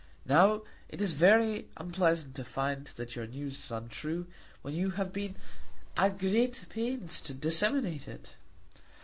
Now it is very unpleasant to find that your news is untrue, when you have been at great pains to disseminate it.